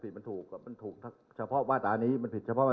ผิดมันถูกมันถูกถ้าเฉพาะวาตานี้มันผิดเฉพาะมา